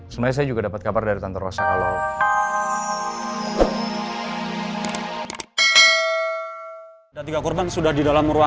sebenarnya saya juga dapat kabar dari tante rosa kalau